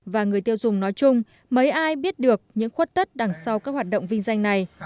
và người tiêu dùng nói chung mấy ai biết được những khuất tất đằng sau các hoạt động vinh danh này